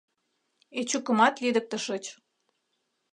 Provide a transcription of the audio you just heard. Эчукымат лӱдыктышыч.